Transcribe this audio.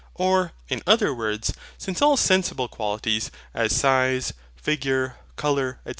Or, in other words, since all sensible qualities, as size, figure, colour, &c.